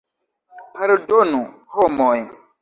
Pardonu, homoj!